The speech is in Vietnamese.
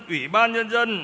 ủy ban nhân dân